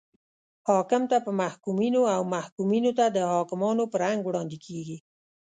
حاکم ته په محکومینو او محکومینو ته د حاکمانو په رنګ وړاندې کیږي.